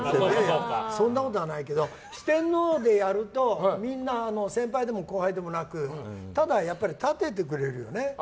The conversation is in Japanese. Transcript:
そんなことはないけど四天王でやると先輩でも後輩でもなく立ててくれるよね。